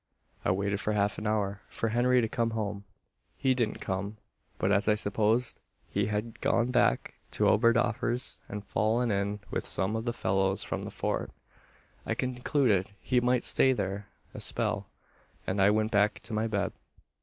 "I waited for half an hour, for Henry to come home. He didn't come; but, as I supposed he had gone back to Oberdoffer's and fallen in with some of the fellows from the Fort, I concluded he might stay there a spell, and I went back to my bed.